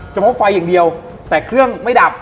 จำเป็นว่าไฟอย่างเดียวแต่เครื่องไม่ดับ